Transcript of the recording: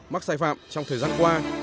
mắc sai phạm trong thời gian qua